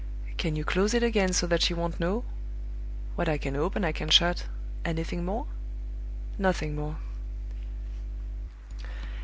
"Can you close it again so that she won't know?" "What I can open I can shut. Anything more?" "Nothing more."